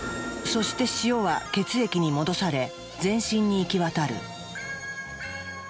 そして塩は血液に戻され全身に行き渡る。